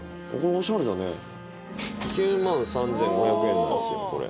９万３，５００円なんですよこれ。